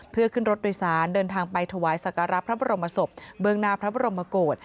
เพื่อขึ้นรถโดยสารเดินทางไปถวายสักการะพระบรมศพเบื้องหน้าพระบรมโกศ